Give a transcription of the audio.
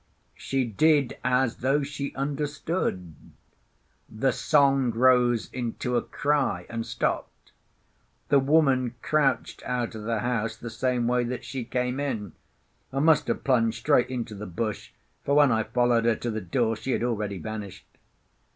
She did as though she understood; the song rose into a cry, and stopped; the woman crouched out of the house the same way that she came in, and must have plunged straight into the bush, for when I followed her to the door she had already vanished.